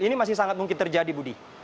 ini masih sangat mungkin terjadi budi